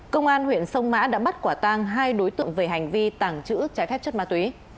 công an huyện sông mã đã bắt quả tang hai đối tượng về hành vi tàng trữ trái phép chất ma túy